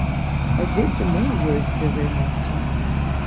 А дзецям маім ёсць, дзе займацца.